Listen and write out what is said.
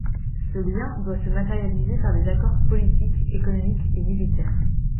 Ce lien doit se matérialiser par des accords, politiques, économiques et militaires.